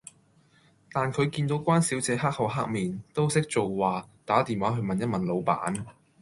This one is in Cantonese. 但佢見到關小姐黑口黑面，都識做話打電話去問一問老闆